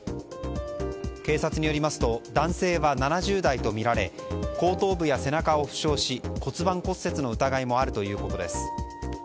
警察によりますと男性は７０代とみられ後頭部や背中を負傷し骨盤骨折の疑いもあるということです。